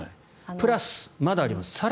プラス、まだあります。